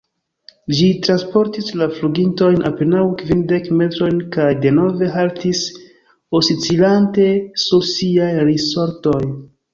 Ĝi transportis la flugintojn apenaŭ kvindek metrojn kaj denove haltis, oscilante sur siaj risortoj.